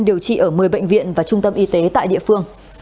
điều trị ở một mươi bệnh viện và trung tâm y tế tại địa phương